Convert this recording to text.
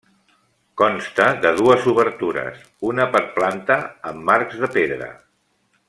Consta de dues obertures, una per planta, amb marcs de pedra.